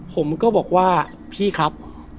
ผมก็บอกว่าพี่ครับ